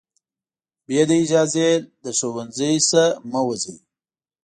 بې له اجازې له ښوونځي نه مه وځئ.